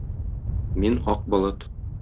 Мин-ак болыт.